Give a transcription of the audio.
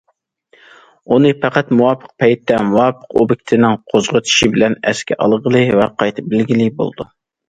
ئۇنى پەقەت مۇۋاپىق پەيتتە مۇۋاپىق ئوبيېكتنىڭ قوزغىتىشى بىلەن ئەسكە ئالغىلى ۋە قايتا بىلىگىلى بولىدۇ.